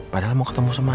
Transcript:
padahal mau ketemu sama andi